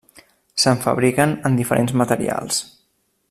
Se'n fabriquen en diferents materials.